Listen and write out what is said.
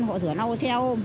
họ sửa nâu xe ôm